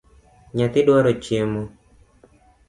Nyathi dwaro chiemo